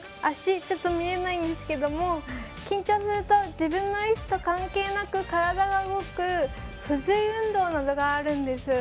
ちょっと見えないんですけれども緊張すると自分の意思と関係なく体が動く不随意運動などがあるんです。